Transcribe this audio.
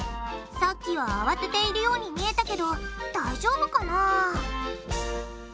さっきは慌てているように見えたけど大丈夫かな？